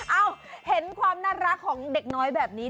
เอ้าเห็นความน่ารักของเด็กน้อยแบบนี้